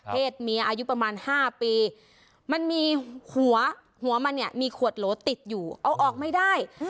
เมียอายุประมาณ๕ปีมันมีหัวหัวมันเนี่ยมีขวดโหลติดอยู่เอาออกไม่ได้